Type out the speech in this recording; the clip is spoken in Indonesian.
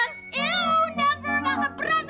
iu never maka pernah tau nggak sih